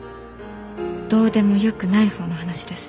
どうでもよくない方の話です。